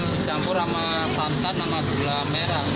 dicampur sama santan sama gula merah